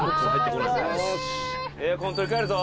「エアコン取り替えるぞ」